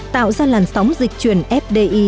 tạo ra làn sóng dịch truyền fdi